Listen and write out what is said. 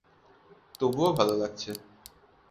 তবু ভালোও লাগছে।